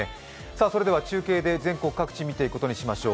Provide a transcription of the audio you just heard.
それでは中継で全国各地、見ていくことにしましょう。